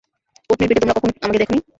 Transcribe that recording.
উটনীর পিঠে তোমরা কখনও আমাকে দেখনি?